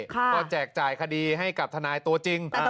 ก็แจกจ่ายคดีให้กับทนายตัวจริง